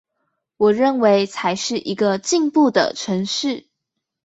我認為才是一個進步的城市